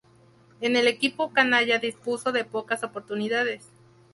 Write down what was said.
En el equipo canalla dispuso de pocas oportunidades.